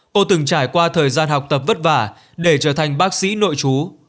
cô từng trải qua thời gian học tập vất vả để trở thành bác sĩ nội chú